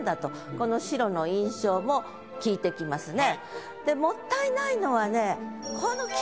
この白の印象も効いてきますね。